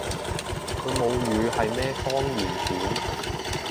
佢母語係咩方言片？